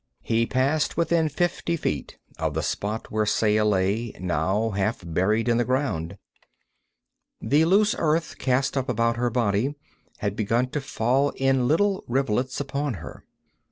He passed within fifty feet of the spot where Saya lay, now half buried in the ground. The loose earth cast up about her body had begun to fall in little rivulets upon her.